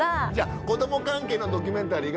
子供関係のドキュメンタリーが。